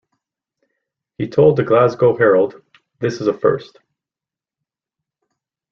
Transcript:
He told the "Glasgow Herald", "This is a first.